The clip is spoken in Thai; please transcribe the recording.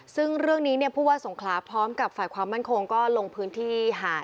ซึ่งเรื่องนี้ผู้ว่าสงขลาพร้อมกับฝ่ายความมั่นคงก็ลงพื้นที่หาด